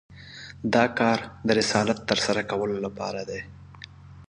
دا کار د رسالت تر سره کولو لپاره دی.